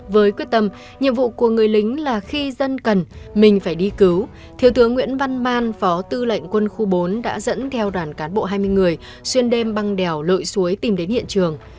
với quyết tâm nhiệm vụ của người lính là khi dân cần mình phải đi cứu thiếu tướng nguyễn văn man phó tư lệnh quân khu bốn đã dẫn theo đoàn cán bộ hai mươi người xuyên đêm băng đèo lội suối tìm đến hiện trường